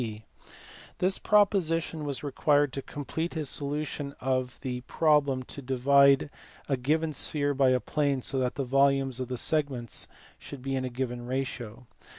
This proposition was required to complete his solution of the problem to divide a given sphere by a plane so that the volumes of the segments should be in a given ratio.